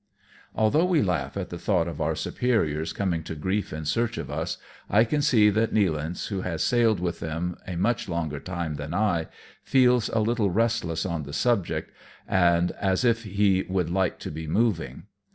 Although we laugh at the thought of our superiors coming to grief in search of us, I can see that Nealance, who has sailed with them a much longer time than I, feels a little restless on the subject, and as if he would like to be moving.